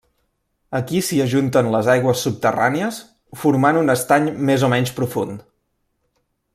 Aquí s'hi ajunten les aigües subterrànies, formant un estany més o menys profund.